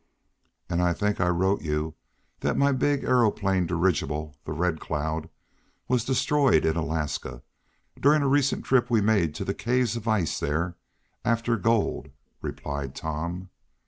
"And I think I wrote you that my big aeroplane dirigible, the Red Cloud, was destroyed in Alaska, during a recent trip we made to the caves of ice there, after gold," replied Tom.